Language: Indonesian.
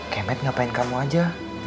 kemet ngapain kamu aja